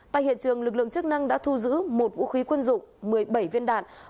tại hiện trường lực lượng chức năng đã thu giữ một vũ khí quân dụng một mươi bảy viên đạn